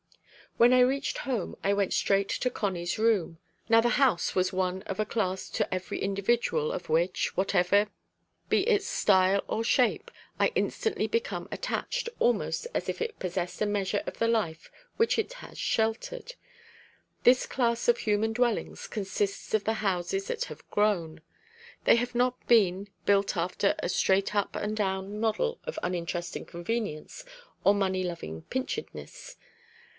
When I reached home, I went straight to Connie's room. Now the house was one of a class to every individual of which, whatever be its style or shape, I instantly become attached almost as if it possessed a measure of the life which it has sheltered. This class of human dwellings consists of the houses that have grown. They have not been, built after a straight up and down model of uninteresting convenience or money loving pinchedness.